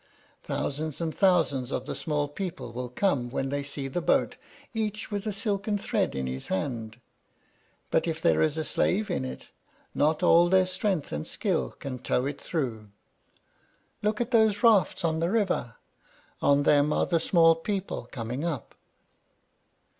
Thousands and thousands of the small people will come when they see the boat, each with a silken thread in his hand; but if there is a slave in it, not all their strength and skill can tow it through. Look at those rafts on the river; on them are the small people coming up."